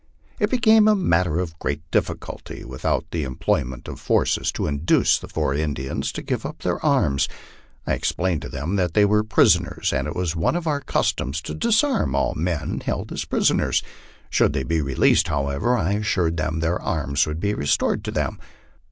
It became a matter of great difficulty, without the employment of forces to induce the four Indians to give up their arms. I explained to them that they were prisoners, and it was one of our customs to disarm all men held as prisoners. Should they be released, however, I assured them their arms would be restored to them.